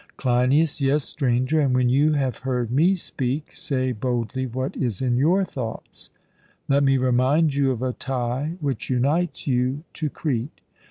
CLEINIAS: Yes, Stranger; and when you have heard me speak, say boldly what is in your thoughts. Let me remind you of a tie which unites you to Crete.